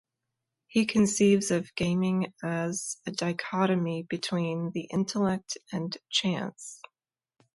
He conceives of gaming as a dichotomy between the intellect and chance.